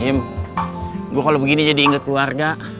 im gue kalau begini jadi inget keluarga